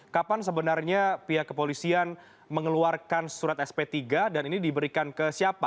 kapan sebenarnya pihak kepolisian mengeluarkan surat sp tiga dan ini diberikan ke siapa